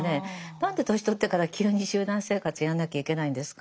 何で年取ってから急に集団生活やんなきゃいけないんですか。